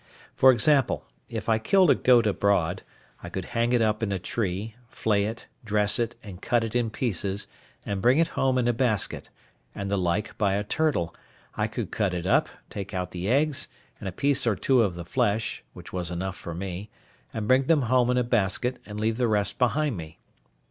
For example, if I killed a goat abroad, I could hang it up in a tree, flay it, dress it, and cut it in pieces, and bring it home in a basket; and the like by a turtle; I could cut it up, take out the eggs and a piece or two of the flesh, which was enough for me, and bring them home in a basket, and leave the rest behind me.